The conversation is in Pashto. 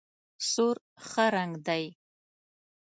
سور ښه رنګ دی.